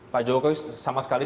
pak jokowi sama sekali